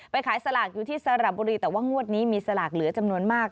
ขายสลากอยู่ที่สระบุรีแต่ว่างวดนี้มีสลากเหลือจำนวนมาก